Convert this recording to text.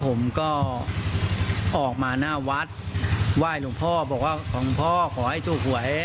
ผมก็ออกมาหน้าวัดไหว้หลวงพ่อบอกว่าของพ่อขอให้ถูกหวย